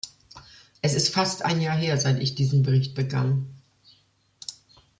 Es ist fast ein Jahr her, seit ich diesen Bericht begann.